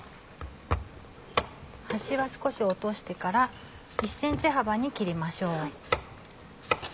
端は少し落としてから１ｃｍ幅に切りましょう。